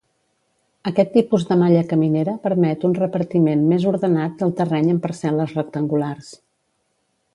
Aquest tipus de malla caminera permet un repartiment més ordenat del terreny en parcel·les rectangulars.